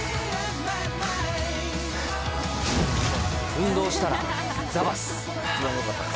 運動したら、ザバス。